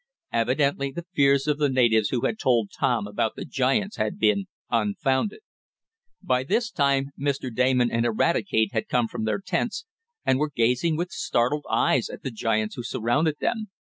Evidently the fears of the natives who had told Tom about the giants had been unfounded. By this time Mr. Damon and Eradicate had come from their tents, and were gazing with startled eyes at the giants who surrounded them.